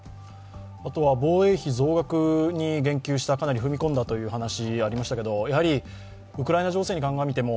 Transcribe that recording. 防衛費増額に言及したかなり踏み込んだという話ありましたけれども、やはり、ウクライナ情勢に鑑みても